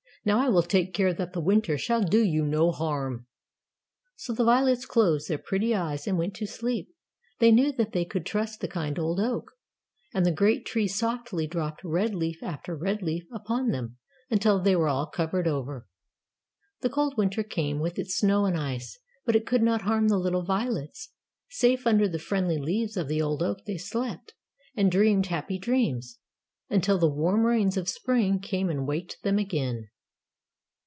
Now I will take care that the winter shall do you no harm." So the violets closed their pretty eyes and went to sleep; they knew that they could trust the kind old oak. And the great tree softly dropped red leaf after red leaf upon them until they were all covered over. The cold winter came, with its snow and ice, but it could not harm the little violets. Safe under the friendly leaves of the old oak they slept, and dreamed happy dreams until the warm rains of spring came and waked them again.